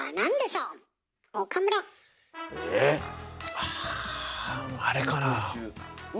ああれかな。